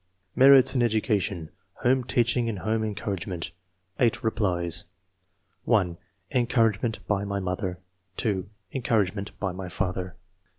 MERITS IN EDUCATION : HOME TEACHING AND HOME ENCOURAGEMENT — HEIGHT REPLIES. (1) " Encouragement by my mother. " (2) " Encouragement by my father."